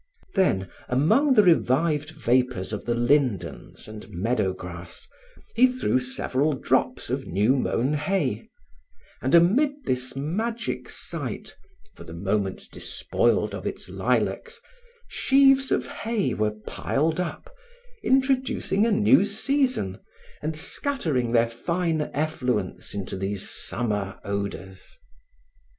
Then, among the revived vapors of the lindens and meadow grass, he threw several drops of new mown hay, and, amid this magic site for the moment despoiled of its lilacs, sheaves of hay were piled up, introducing a new season and scattering their fine effluence into these summer odors.